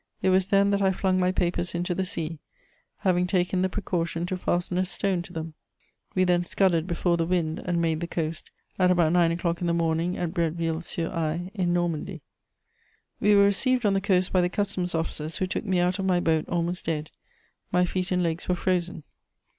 It was then that I flung my papers into the sea, having taken the precaution to fasten a stone to them. We then scudded before the wind and made the coast, at about nine o'clock in the morning, at Bretteville sur Ay, in Normandy. "We were received on the coast by the customs officers, who took me out of my boat almost dead; my feet and legs were frozen.